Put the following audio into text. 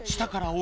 お。